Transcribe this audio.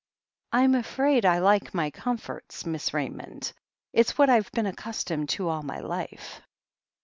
I'm afraid I like my comforts. Miss Raymond. It's what I've been accustomed to all my life."